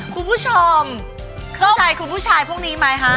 คุณผู้ชมคุณผู้ชายพวกนี้ไหมฮะ